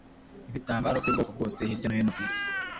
ibitambaro byubwoko bwose hirya no hino ku isi